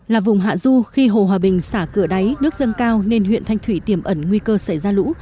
là vùng hạ du khi hồ hòa bình xả cửa đáy nước dâng cao nên huyện thanh thủy tiềm ẩn nguy cơ xảy ra lũ